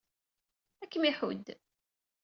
Ad kem-iḥudd.